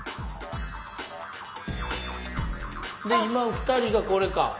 今２人がこれか。